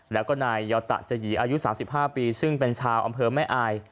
แล้วก็นายยอตะจยีอายุ๓๕ปีซึ่งเป็นชาวอำเภอแม่อาย